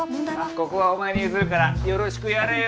ここはお前に譲るからよろしくやれよ！